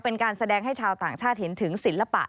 เป็นการแสดงให้ชาวต่างชาติเห็นถึงศิลปะ